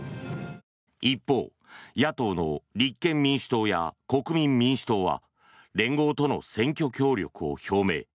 一方、野党の立憲民主党や国民民主党は連合との選挙協力を表明。